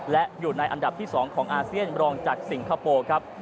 และอยู่ในอันดับที่๒ของอาเซียนรองจากสิงคโปร์ครับ